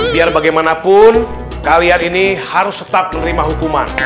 biar bagaimanapun kalian ini harus tetap menerima hukuman